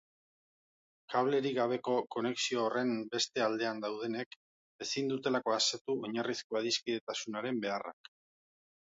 Kablerik gabeko konexio horren beste aldean daudenek ezin dutelako asetu oinarrizko adiskidetasunaren beharrak.